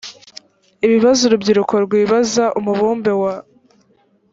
ibibazo urubyiruko rwibaza umubumbe wa